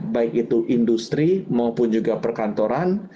baik itu industri maupun juga perkantoran